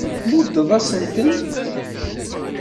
Tmuddeḍ-asent-ten.